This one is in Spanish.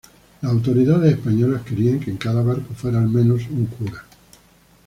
Las autoridades españolas querían que en cada barco fuera al menos un cura.